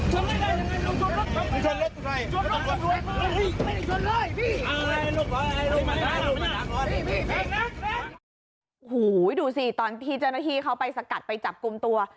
โหโหดูสิตอนเตี๋ยวหน้าที่เขาไปสกัดไปจับกุมตัว